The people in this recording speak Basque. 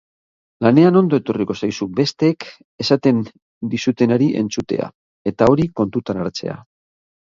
Lanean ondo etorriko zaizu besteek esaten dizutenari entzutea, eta hori kontutan hartzea.